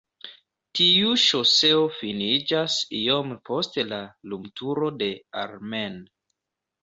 Tiu ŝoseo finiĝas iom post la lumturo de Ar-Men.